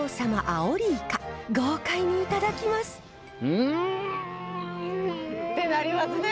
うん！ってなりますね